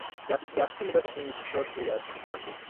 There are two major hot spring resort areas within the town.